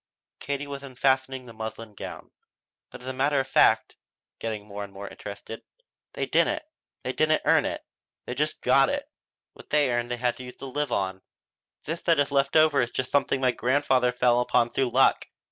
Katie was unfastening the muslin gown. "But as a matter of fact," getting more and more interested "they didn't. They didn't earn it. They just got it. What they earned they had to use to live on. This that is left over is just something my grandfather fell upon through luck.